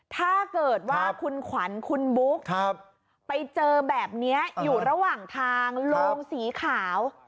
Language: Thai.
ถ้าเกิดว่าคุณขวัญคุณบุ๊กไปเจอแบบนี้อยู่ระหว่างทางโรงสีขาว